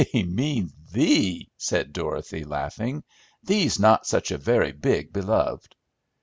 "He means thee!" said Dorothy, laughing. "Thee's not such a very big beloved."